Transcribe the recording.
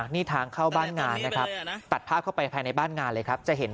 นี่ทางเข้าบ้านงานนะครับ